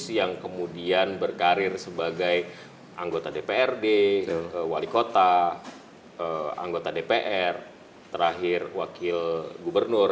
yang kemudian berkarir sebagai anggota dprd wali kota anggota dpr terakhir wakil gubernur